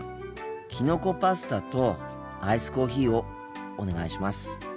きのこパスタとアイスコーヒーをお願いします。